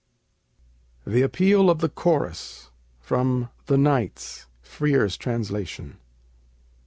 THE APPEAL OF THE CHORUS From 'The Knights': Frere's Translation.